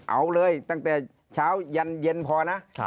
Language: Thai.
เอาเลยตั้งแต่เช้ายันเย็นพอนะ